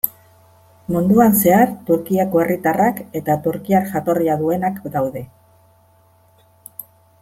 Munduan zehar Turkiako herritarrak eta turkiar jatorria duenak daude.